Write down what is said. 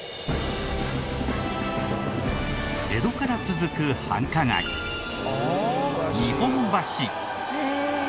江戸から続く繁華街日本橋。